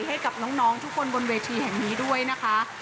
ให้กับน้องทุกคนบนเวทีแห่งนี้ด้วยนะคะ